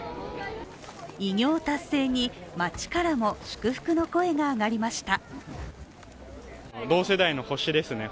偉業達成に、町からも祝福の声が上がりました。